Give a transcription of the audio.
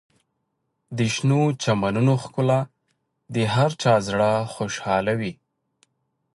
د شنو چمنونو ښکلا د هر چا زړه خوشحالوي.